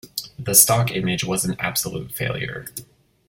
The stock image was an absolute failure.